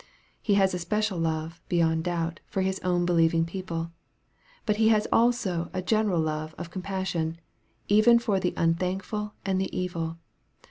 He has a special love, beyond doubt, for His own believ ing people. But He has also a general love of compas sion, even for the unthankful and the evil.